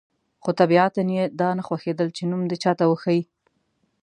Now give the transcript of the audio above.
خو طبیعتاً یې دا نه خوښېدل چې نوم دې چاته وښيي.